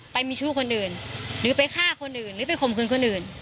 ไปมีชู้คนอื่นหรือไปฆ่าคนอื่นหรือไปข่มขืนคนอื่น